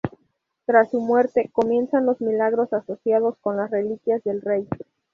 Tras su muerte, comienzan los milagros asociados con las reliquias del rey.